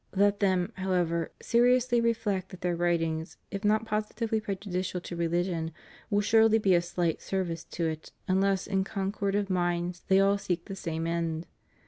Let them, how ever, seriously reflect that their writings, if not positively prejudicial to religion, will surely be of slight service to it unless in concord of minds they all seek the same end.